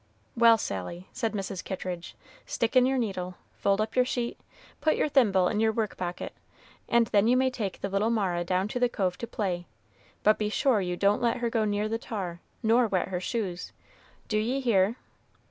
"Well, Sally," said Mrs. Kittridge, "stick in your needle, fold up your sheet, put your thimble in your work pocket, and then you may take the little Mara down to the cove to play; but be sure you don't let her go near the tar, nor wet her shoes. D'ye hear?"